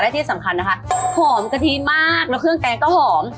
ที่สำคัญนะคะหอมกะทิมากแล้วเครื่องแกงก็หอม